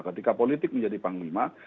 ketika politik menjadi panglima